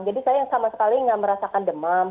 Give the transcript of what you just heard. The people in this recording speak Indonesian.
jadi saya yang sama sekali nggak merasakan demam